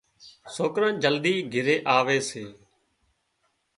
سوڪران جلدي گھري آوي سي